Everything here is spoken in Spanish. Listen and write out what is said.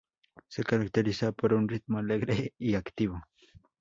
Se caracteriza por un ritmo alegre y activo.